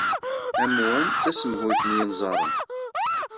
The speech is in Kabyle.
Amwan d tasemhuyt n yinẓaren.